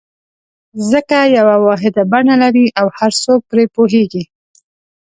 ځکه یوه واحده بڼه لري او هر څوک پرې پوهېږي.